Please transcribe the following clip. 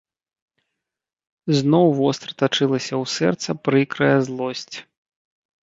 Зноў востра тачылася ў сэрца прыкрая злосць.